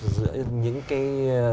giữa những cái